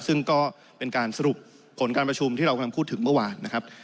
ซึ่งก็เป็นการสรุปผลการประชุมที่เรากำลังพูดถึงเมื่อวานนะครับ